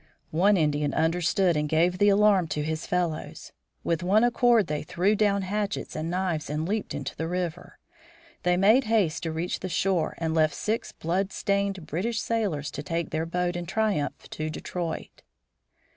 One Indian understood and gave the alarm to his fellows. With one accord they threw down hatchets and knives and leaped into the river. They made haste to reach the shore and left six bloodstained British sailors to take their boat in triumph to Detroit.